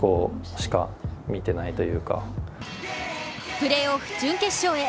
プレーオフ準決勝へ。